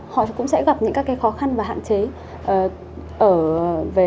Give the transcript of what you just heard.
họ cũng sẽ gặp những cái khó khăn và hạn chế